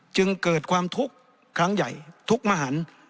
จึงเกิดความทุกข์ครั้งใหญ่ทุกมหัน